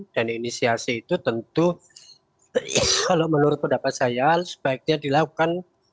dan inisiasi itu tentu kalau menurut pendapat saya sebaiknya dilakukan